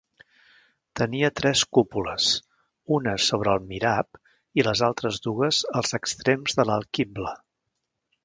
Tenia tres cúpules una sobre el mihrab i les altres dues als extrems de l'alquibla.